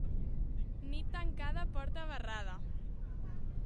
Nit tancada, porta barrada.